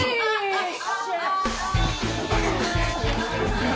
はい。